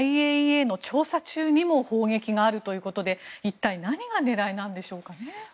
ＩＡＥＡの調査中にも砲撃があるということで一体何が狙いなんでしょうかね。